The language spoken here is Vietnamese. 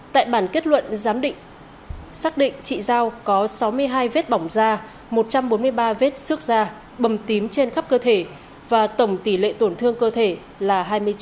tại bản kết luận giám định xác định chị giao có sáu mươi hai vết bỏng da một trăm bốn mươi ba vết xước da bầm tím trên khắp cơ thể và tổng tỷ lệ tổn thương cơ thể là hai mươi chín